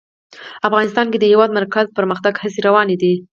افغانستان کې د د هېواد مرکز د پرمختګ هڅې روانې دي.